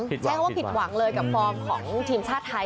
ใช้คำว่าผิดหวังเลยกับฟอร์มของทีมชาติไทย